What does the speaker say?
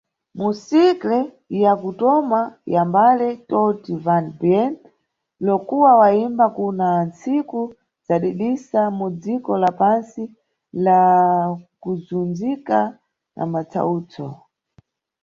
Mu single ya kutoma ya mbale, "Tout va bien", Lokua wayimba kuna ntsiku zadidisa, mu dziko la pantsi la kuzundzika na matsawutso.